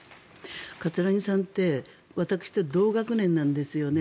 葛城さんって私と同学年なんですよね。